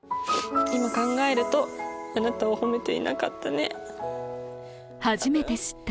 「今考えるとあなたを褒めていなかったね」。